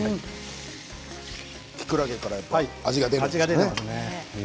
きくらげから味が出るんですかね。